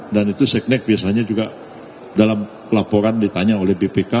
dan itu seknek biasanya juga dalam laporan ditanya oleh bpk